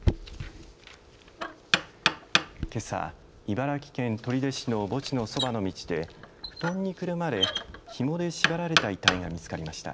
けさ、茨城県取手市の墓地のそばの道で布団にくるまれひもで縛られた遺体が見つかりました。